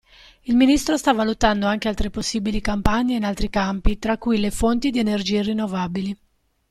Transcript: Il ministro sta valutando anche altre possibili campagne in altri campi tra cui le fonti di energie rinnovabili.